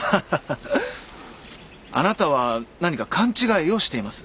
あなたは何か勘違いをしています。